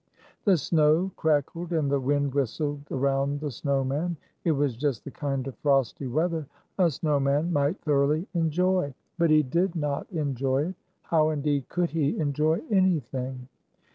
The snow crackled and the wind whistled around the snow man. It was just the kind of frosty weather a snow man might thoroughly enjoy. But he did not enjoy it. How, indeed, could he enjoy anything?